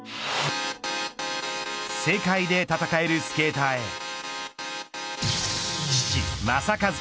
世界で戦えるスケーターへ